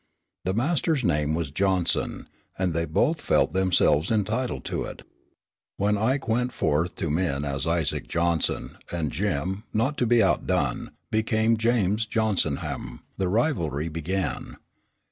The master's name was Johnson, and they both felt themselves entitled to it. When Ike went forth to men as Isaac Johnson, and Jim, not to be outdone, became James Johnsonham, the rivalry began.